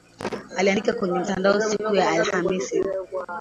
Aliandika kwenye mtandao siku ya Alhamisi.